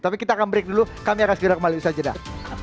tapi kita akan break dulu kami akan segera kembali usaha jeda